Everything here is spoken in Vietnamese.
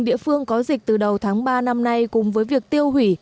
địa phương có dịch từ đầu tháng ba năm nay cùng với việc tiêu hủy